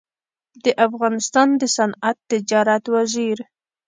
د افغانستان د صنعت تجارت وزیر